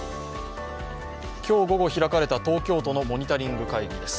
今日午後開かれた東京都のモニタリング会議です。